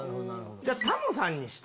じゃあタモさんにして。